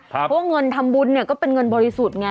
เพราะว่าเงินทำบุญเนี่ยก็เป็นเงินบริสุทธิ์ไง